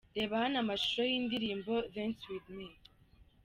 Reba hano amashusho y'indirimbo 'Dance with me'.